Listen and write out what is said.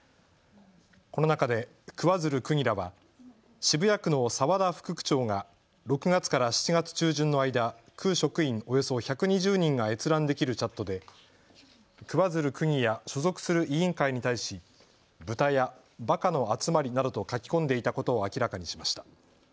この中で桑水流区議らは、渋谷区の澤田副区長が６月から７月中旬の間、区職員およそ１２０人が閲覧できるチャットで桑水流区議や所属する委員会に対し、ブタやバカの集まりなどと書き込んでいたことを明らかにしました。